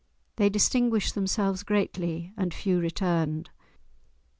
They distinguished themselves greatly, and few returned.